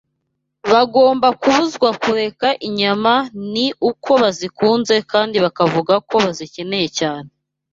bagomba kubuzwa kureka inyama ni uko bazikunze kandi bakavuga ko bazikeneye cyane